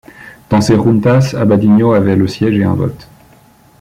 Dans ces Juntas, Abadiño avait le siège et un vote.